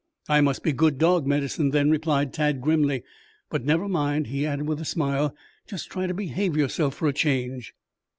"I must be good dog medicine then," replied Tad grimly. "But, never mind," he added, with a smile, "just try to behave yourself for a change."